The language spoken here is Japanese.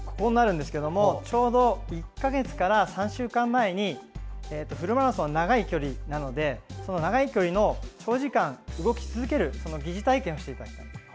ちょうど１か月から３週間前にフルマラソン長い距離なのでその長い距離、長時間動き続ける疑似体験をしていただきます。